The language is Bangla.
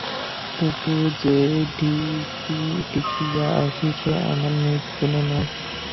তবু যে টিঁকিয়া আছি সে আমার নিজগুণে নয়।